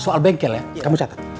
soal bengkel ya kamu catat